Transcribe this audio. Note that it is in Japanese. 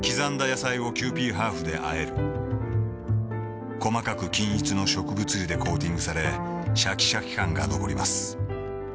野菜をキユーピーハーフであえる細かく均一の植物油でコーティングされシャキシャキ感が残ります